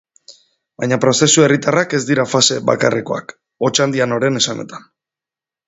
Baina prozesu herritarrak ez dira fase bakarrekoak, Otxandianoren esanetan.